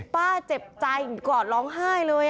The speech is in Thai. ป้าเจ็บใจกอดร้องไห้เลย